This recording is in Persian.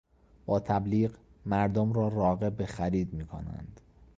با تبلیغ، مردم را راغب به خرید میکنند.